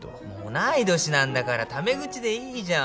同い年なんだからタメ口でいいじゃん。